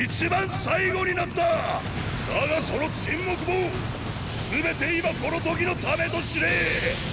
だがその沈黙も全て今この時のためと知れ！！